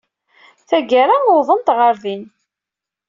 Tagara, wwḍent ɣer din.